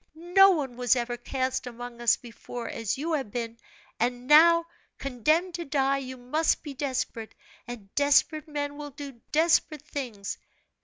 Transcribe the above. No one was ever cast among us before as you have been; and now, condemned to die, you must be desperate, and desperate men will do desperate things.